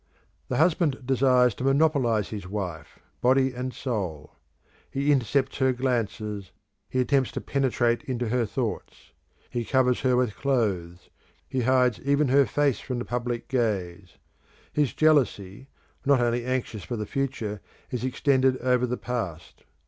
The husband desires to monopolise his wife, body and soul. He intercepts her glances; he attempts to penetrate into her thoughts. He covers her with clothes; he hides even her face from the public gaze. His jealousy, not only anxious for the future, is extended over the, past.